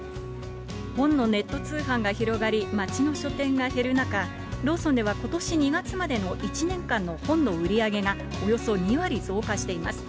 本のネット通販が広がり、街の書店が減る中、ローソンではことし２月までの１年間の本の売り上げが、およそ２割増加しています。